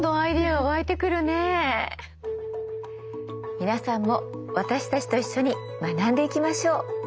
皆さんも私たちと一緒に学んでいきましょう。